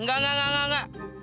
enggak enggak enggak enggak